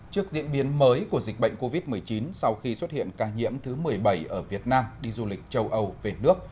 trước diễn biến mới của dịch bệnh covid một mươi chín sau khi xuất hiện ca nhiễm thứ một mươi bảy ở việt nam đi du lịch châu âu về nước